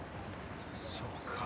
そうか。